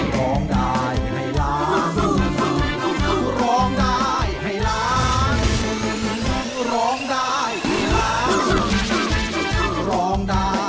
ร้องได้ให้ร้างร้องได้ให้ร้าง